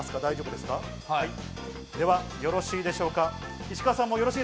よろしいでしょうか？